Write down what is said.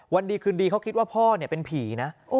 วันดีคืนดีเขาคิดว่าพ่อเป็นผีนะ